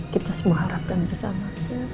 kita semua harapkan bersama